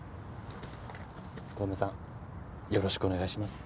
小梅さんよろしくお願いします。